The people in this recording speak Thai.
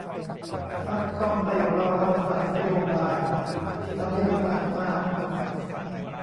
มักต้องได้รอคำสั่งนโยบายที่ทำให้อึดอัดมาก